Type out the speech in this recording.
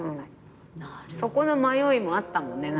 そこの迷いもあったもんね。